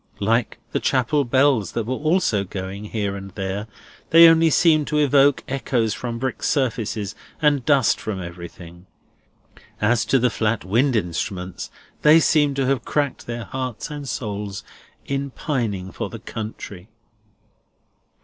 Like the chapel bells that were also going here and there, they only seemed to evoke echoes from brick surfaces, and dust from everything. As to the flat wind instruments, they seemed to have cracked their hearts and souls in pining for the country.